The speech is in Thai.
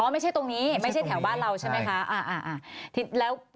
ไม่ใช่ตรงนี้ไม่ใช่แถวบ้านเราใช่ไหมคะ